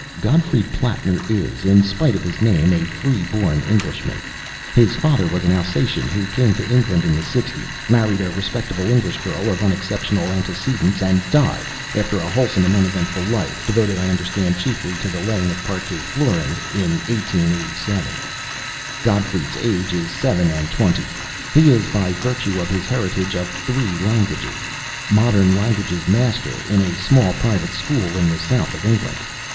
Gottfried Plattner is, in spite of his name, a freeborn Englishman. His father was an Alsatian who came to England in the 'sixties, married a respectable English girl of unexceptionable antecedents, and died, after a wholesome and uneventful life (devoted, I understand, chiefly to the laying of parquet flooring), in 1887. Gottfried's age is seven and twenty. He is, by virtue of his heritage of three languages, Modern Languages Master in a small private school in the south of England.